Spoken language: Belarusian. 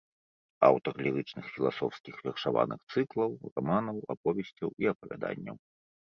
Аўтар лірычных філасофскіх вершаваных цыклаў, раманаў, аповесцяў і апавяданняў.